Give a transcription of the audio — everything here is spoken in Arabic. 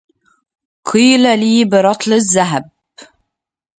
قيل لي برطل الذهب